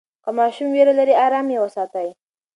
که ماشوم ویره لري، آرام یې وساتئ.